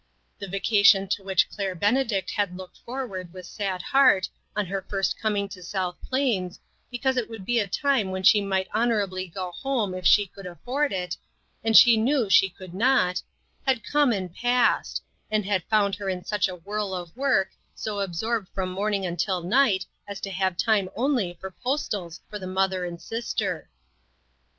The vaca tion to which Claire Benedict had looked forward with sad heart, on her first coming to South Plains, because it would be a time when she might honorably go home if she could afford it, arid she knew she could not, had come and passed, and had found her in such a whirl of work, so absorbed from morning until night, as to have time only for postals for the mother and sister.